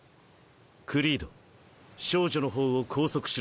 クリード少女の方を拘束しろ。